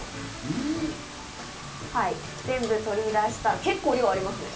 全部取り出して、結構、量ありますね。